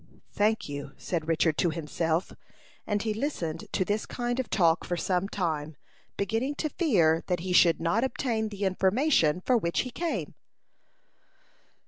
"Thank you," said Richard to himself; and he listened to this kind of talk for some time, beginning to fear that he should not obtain the information for which he came.